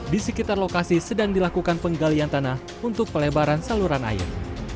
di sekitar lokasi sedang dilakukan penggalian tanah untuk pelebaran saluran air